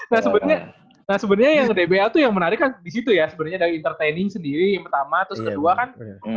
nah sebenernya nah sebenernya yang dbl tuh yang menarik kan di situ ya sebenernya dari entertaining sendiri yang pertama terus kedua kan